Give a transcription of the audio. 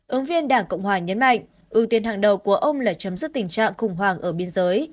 ứng viên đảng cộng hòa nhấn mạnh ưu tiên hàng đầu của ông là chấm dứt tình trạng khủng hoảng ở biên giới